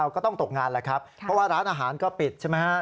ก็ต้องตกงานแหละครับเพราะว่าร้านอาหารก็ปิดใช่ไหมฮะ